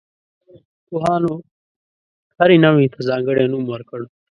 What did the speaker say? پوهانو هرې نوعې ته ځانګړی نوم ورکړ.